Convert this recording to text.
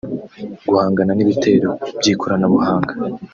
guhangana n’ibitero by’ikoranabuhanga